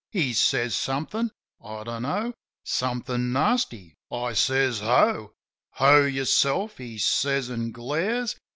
He says somethin' — I dunno— Somethin' nasty. I says, "Ho!" "Ho, yourself !" he says, an' glares.